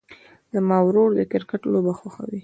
زما ورور د کرکټ لوبه خوښوي.